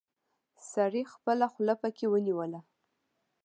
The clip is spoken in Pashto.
سړي خپله خوله پکې ونيوله.